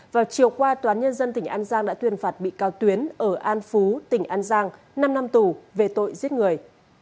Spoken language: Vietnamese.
vào chiều qua toán nhân dân tỉnh an giang đã tuyên phạt bị cao tuyến ở an phú tỉnh an giang năm năm tù về tội giết người